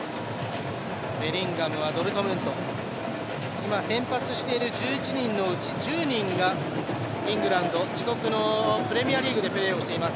今、先発している１１人のうち、１０人がイングランド、自国のプレミアリーグでプレーしてます。